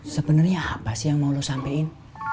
sebenernya apa sih yang mau lo sampein